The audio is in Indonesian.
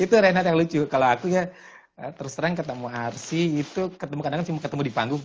itu renat yang lucu kalau aku ya terserah ketemu arsy itu ketemu kadang kadang ketemu di panggung